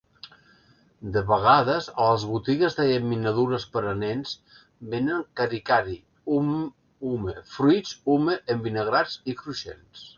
De vegades, a les botigues de llaminadures per a nens venen karikari ume, fruits ume envinagrats i cruixents.